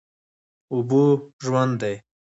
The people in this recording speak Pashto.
اوبه ژوند دی؟